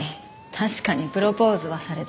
確かにプロポーズはされた。